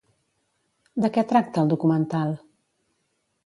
De què tracta el documental?